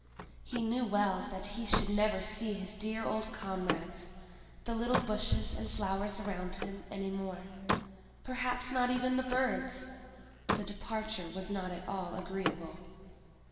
He well knew that he should never see his dear old comrades, the little bushes and flowers around him, any more; perhaps not even the birds! The departure was not at all agreeable.